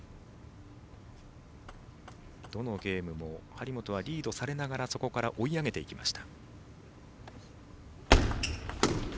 どのゲームも張本はリードされながらそこから追い上げていきました。